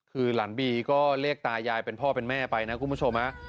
คือหลานบีก็เรียกตายายเป็นพ่อเป็นแม่ไปนะคุณผู้ชม